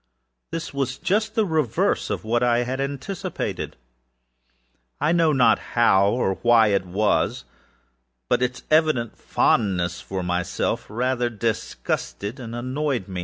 This was just the reverse of what I had anticipated; butâI know not how or why it wasâits evident fondness for myself rather disgusted and annoyed.